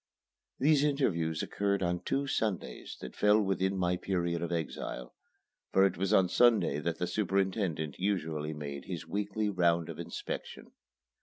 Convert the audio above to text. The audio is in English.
These interviews occurred on two Sundays that fell within my period of exile, for it was on Sunday that the superintendent usually made his weekly round of inspection.